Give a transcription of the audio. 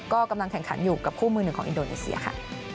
ก็กำลังแข่งขันอยู่กับคู่มือหนึ่งของอินโดนีเซียค่ะ